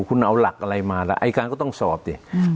คุณเอาหลักอะไรมาแล้วไอ้การก็ต้องสอบสิอืม